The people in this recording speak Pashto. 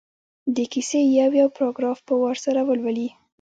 د کیسې یو یو پراګراف په وار سره ولولي.